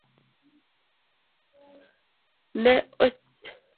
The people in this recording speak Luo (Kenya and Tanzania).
Ne ochako wuotho e gweng'gi ka ojiwo ji mondo okaw mapek wach Nyasaye